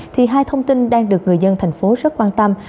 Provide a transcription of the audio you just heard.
thì hai thông tin đang được người dân thành phố rất quan tâm